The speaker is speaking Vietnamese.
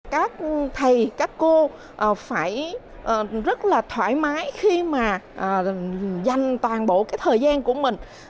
các thầy các cô phải rất là thoải mái khi mà dành toàn bộ cái thời gian của mình